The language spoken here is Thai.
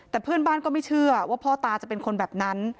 แต่เพื่อนบ้านก็ไม่เชื่อว่าพ่อตาจะเป็นคนแบบนั้น